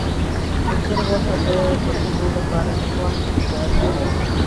د چرګ غوښه د پخېدو لپاره لږ وخت غواړي.